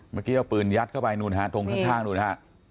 เมื่อกี้เอาปืนยัดเข้าไปนู่นฮะตรงข้างนู้นฮะ